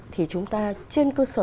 thì chúng ta trên cơ sở